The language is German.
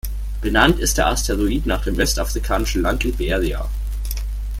Benannt ist der Asteroid nach dem westafrikanischen Land Liberia.